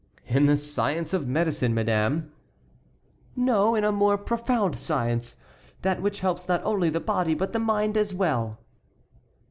"In the science of medicine, madame?" "No, in a more profound science: that which helps not only the body but the mind as well."